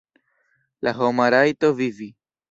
La homa rajto vivi.